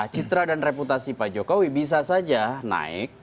citra dan reputasi pak jokowi bisa saja naik